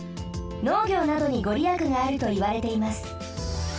農業などにごりやくがあるといわれています。